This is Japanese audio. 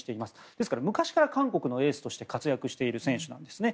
ですから昔から韓国のエースとして活躍している選手なんですね。